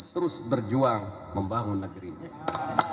terus berjuang membangun negeri ini